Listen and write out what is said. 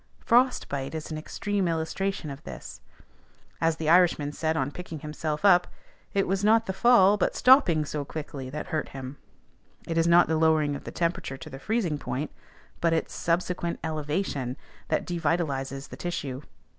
Frost bite is an extreme illustration of this. As the Irishman said on picking himself up, it was not the fall, but stopping so quickly, that hurt him: it is not the lowering of the temperature to freezing point, but its subsequent elevation, that devitalizes the tissue.